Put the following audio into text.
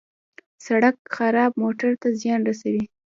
سړک خراب موټر ته زیان رسوي.